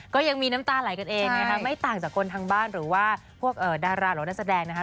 ก็ยังมีน้ำตาไหลกันเองนะคะไม่ต่างจากคนทางบ้านหรือว่าพวกดาราหรือนักแสดงนะคะ